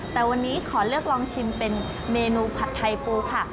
แต่วันนี้ขอเลือกลองชิมเป็นเมนูผัดไทยปูค่ะ